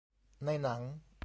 ในหนัง